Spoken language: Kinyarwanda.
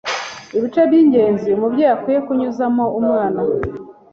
Ibice by’ingenzi umubyeyi akwiye kunyuzamo umwana